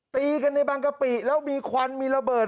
ตีกันในบางกะปิแล้วมีควันมีระเบิด